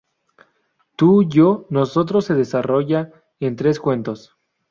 Tú, yo, nosotros se desarrolla en tres cuentos.